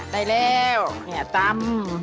ได้แล้วเนี่ยตำ